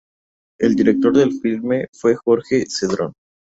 El director del filme fue Jorge Cedrón.